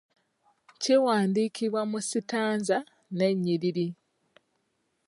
Kiwandiikibwa mu sitanza n'ennyiriri.